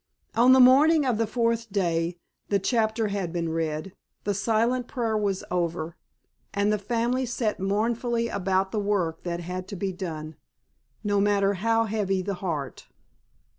On the morning of the fourth day the Chapter had been read, the silent prayer was over, and the family set mournfully about the work that had to be done, no matter how heavy the heart.